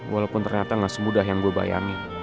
walaupun ternyata gak semudah yang gue bayangin